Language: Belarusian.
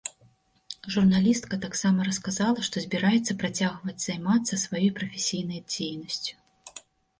Журналістка таксама расказала, што збіраецца працягваць займацца сваёй прафесійнай дзейнасцю.